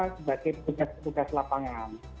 sebagai pekerja pekerja lapangan